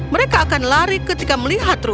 mereka akan lari ketika melihat